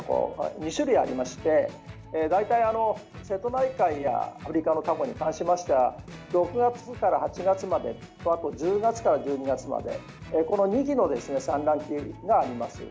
２種類ありまして大体、瀬戸内やアフリカのタコに関しましては６月から８月までと１０月から１２月までこの２期の産卵期があります。